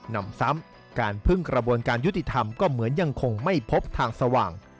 นำซ้ำการพึ่งกระบวนการยุติธรรมก็เหมือนยังคงไม่พบทางสว่าง